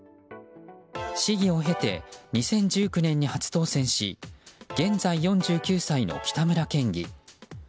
市議を経て２０１９年に初当選し現在、４９歳の北村県議。